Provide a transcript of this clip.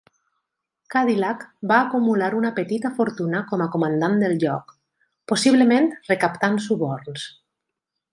Cadillac va acumular una petita fortuna com a comandant del lloc, possiblement recaptant suborns.